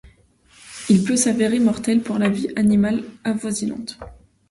Il peut s'avérer mortel pour la vie animale avoisinante.